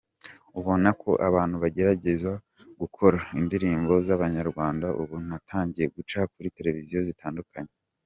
"Ubona ko abantu bagerageza gukora, indirimbo z’Abanyarwanda ubu zatangiye guca kuri televiziyo zitandukanye.